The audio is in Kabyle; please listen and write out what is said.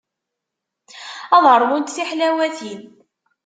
Ad ṛwunt tiḥlawatin.